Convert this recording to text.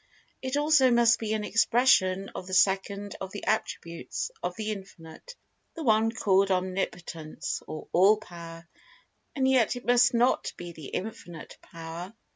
It also must be an expression of the second of the attributes of the Infinite—the one called Omnipotence, or All Power—and yet it must not be The Infinite Power.